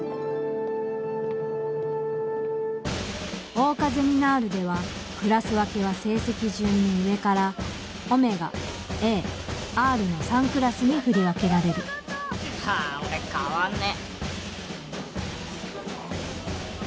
桜花ゼミナールではクラス分けは成績順に上から「Ω」「Ａ」「Ｒ」の３クラスに振り分けられるはぁ俺変わんね。